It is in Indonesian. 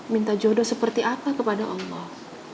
minta jodoh seperti apa kepada allah